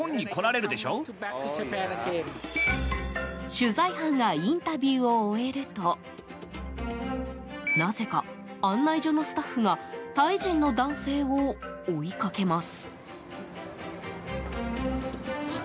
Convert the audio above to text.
取材班がインタビューを終えるとなぜか、案内所のスタッフがタイ人の男性を追いかけます。